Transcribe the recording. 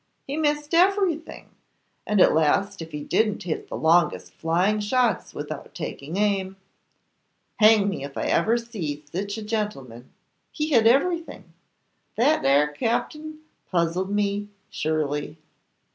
He missed everything; and at last if he didn't hit the longest flying shots without taking aim. Hang me if ever I see sich a gentleman. He hit everything. That ere Captain puzzled me, surely.